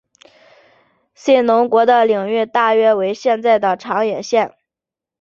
信浓国的领域大约为现在的长野县。